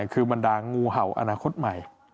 คือมันดามูเหาอนาคตใหม่